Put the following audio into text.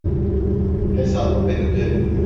Hesabı ben öderim.